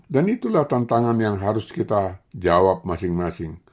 dan itulah tantangan yang harus kita jawab masing masing